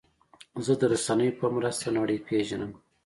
زه د رسنیو په مرسته نړۍ پېژنم.